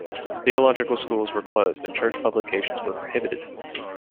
Theological schools were closed, and church publications were prohibited.